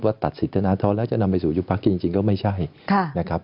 ตัดสินธนทรแล้วจะนำไปสู่ยุบพักจริงก็ไม่ใช่นะครับ